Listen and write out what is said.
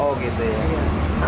oh gitu ya